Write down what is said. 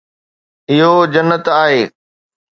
اهو جنت آهي